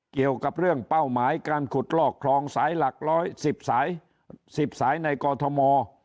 เกี่ยวกับเรื่องเป้าหมายการขุดลอกคลองสายหลัก๑๑๐สาย๑๐สายในกอทม